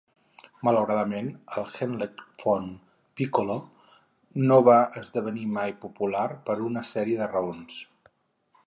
Malauradament, el hecklefon pícolo no va esdevenir mai popular, per una sèrie de raons.